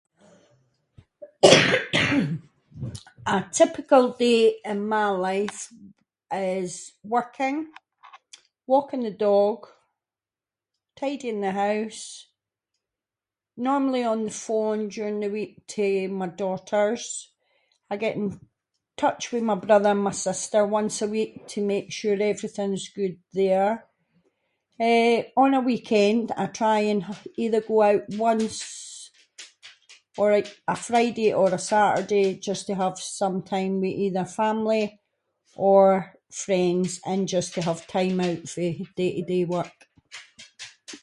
a typical day in my life is working, walking the dog, tidying the house, normally on the phone during the week to my daughters, I get in touch with my brother and my sister once a week to make sure everything’s good there, eh, on a weekend I try and h- either go out once or- a Friday or a Saturday just to have some time with either family or friends and just to have time out fae day-to-day work.